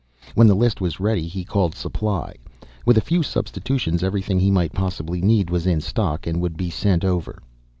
When the list was ready he called Supply. With a few substitutions, everything he might possibly need was in stock, and would be sent over.